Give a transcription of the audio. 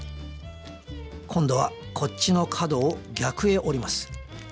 今度はこっちの角を逆へ折ります